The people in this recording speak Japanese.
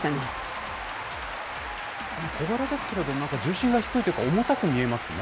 小柄ですけれども、なんか重心が低いというか、重たく見えますよね。